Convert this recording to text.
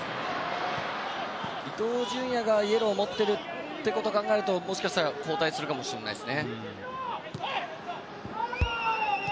伊東純也がイエローを持っていることを考えるともしかしたら交代するかもしれません。